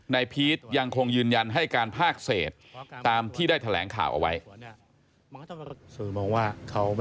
พีชยังคงยืนยันให้การภาคเศษตามที่ได้แถลงข่าวเอาไว้